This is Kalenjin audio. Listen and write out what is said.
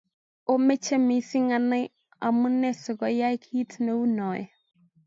omeche mising anai omunee sikoyai kiit neu noee